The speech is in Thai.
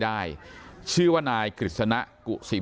ท่านดูเหตุการณ์ก่อนนะครับ